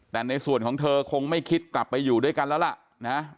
แต่ในส่วนของเธอคงไม่คิดกลับไปอยู่ด้วยกันแล้วล่ะนะ